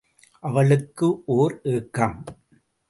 அவளுக்கு ஓர் ஏக்கம்.